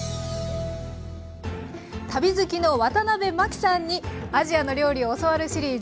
旅好きのワタナベマキさんにアジアの料理を教わるシリーズ。